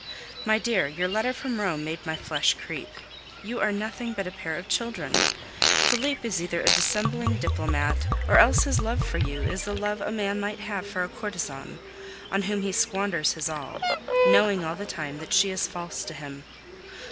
My dear, your letter from Rome made my flesh creep. You are nothing but a pair of children. Felipe is either a dissembling diplomat or else his love for you is the love a man might have for a courtesan, on whom he squanders his all, knowing all the time that she is false to him.